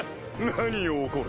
何を怒る？